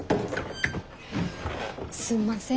すんません